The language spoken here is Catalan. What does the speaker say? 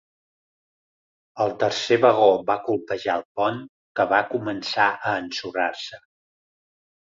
El tercer vagó va colpejar el pont, que va començar a ensorrar-se.